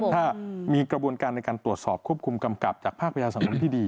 ถ้ามีกระบวนการในการตรวจสอบควบคุมกำกับจากภาคประชาสังคมที่ดี